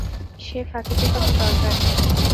সে ফাঁকিতে কোনো দরকার নেই।